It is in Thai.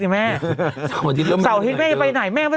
เมื่อสไปไหนมั้ย